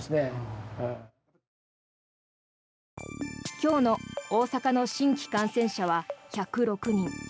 今日の大阪の新規感染者は１０６人。